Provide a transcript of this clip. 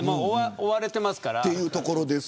追われてますから。